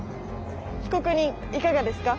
被告人いかがですか。